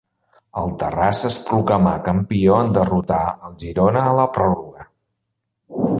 El Terrassa es proclamà campió en derrotar el Girona a la pròrroga.